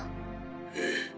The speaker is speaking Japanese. ええ。